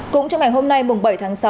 cũng trong ngày hôm nay bảy tháng sáu